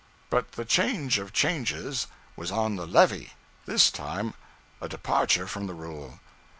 But the change of changes was on the 'levee.' This time, a departure from the rule.